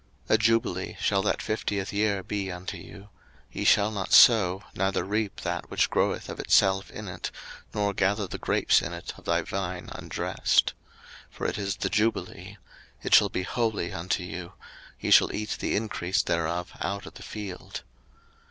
03:025:011 A jubile shall that fiftieth year be unto you: ye shall not sow, neither reap that which groweth of itself in it, nor gather the grapes in it of thy vine undressed. 03:025:012 For it is the jubile; it shall be holy unto you: ye shall eat the increase thereof out of the field.